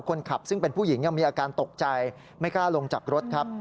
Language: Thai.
คนขับซึ่งเป็นผู้หญิงยังมีอาการตกใจไม่กล้าลงจากรถครับ